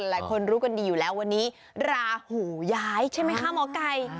หลายคนรู้กันดีอยู่แล้ววันนี้ราหูย้ายใช่ไหมคะหมอไก่